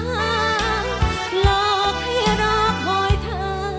หลอกให้รอคอยเธอ